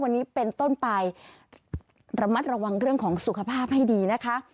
วันนี้เป็นต้นไประมัดระวังเรื่องของสุขภาพให้ดีนะคะ